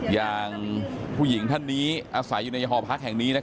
อย่างผู้หญิงท่านนี้อาศัยอยู่ในหอพักแห่งนี้